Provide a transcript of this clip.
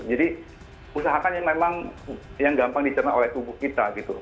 jadi usahakan yang memang yang gampang dicerna oleh tubuh kita gitu